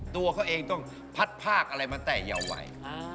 ตัวเขาเองปัดภาคอะไรมาแต่ยะไหว